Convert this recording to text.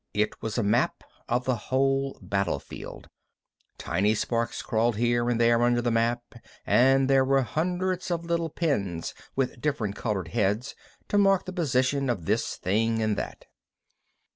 It was a map of the whole battlefield. Tiny sparks crawled here and there under the map, and there were hundreds of little pins with different colored heads to mark the position of this thing and that.